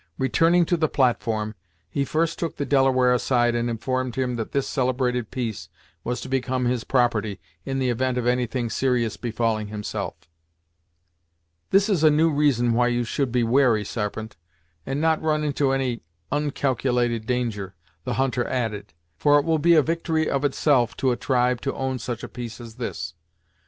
Returning to the platform, he first took the Delaware aside, and informed him that this celebrated piece was to become his property, in the event of any thing serious befalling himself. "This is a new reason why you should be wary, Sarpent, and not run into any oncalculated danger," the hunter added, "for, it will be a victory of itself to a tribe to own such a piece as this!